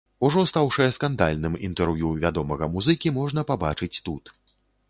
Ужо стаўшае скандальным інтэрв'ю вядомага музыкі можна пабачыць тут.